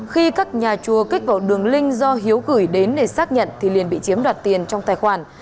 khi các nhà chùa kích vào đường link do hiếu gửi đến để xác nhận thì liền bị chiếm đoạt tiền trong tài khoản